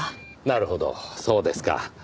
なるほどそうですか。